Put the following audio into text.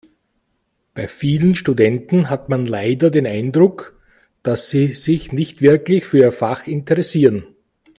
Bei vielen Studenten hat man leider den Eindruck, dass sie sich nicht wirklich für ihr Fach interessieren.